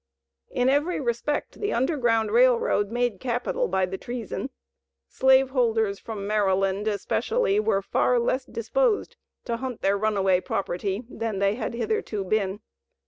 In every respect, the Underground Rail Road made capital by the treason. Slave holders from Maryland especially were far less disposed to hunt their runaway property than they had hitherto been.